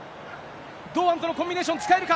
堂安とのコンビネーション、使えるか。